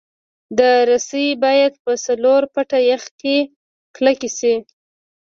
دا رسۍ باید په څلور فټه یخ کې کلکې شي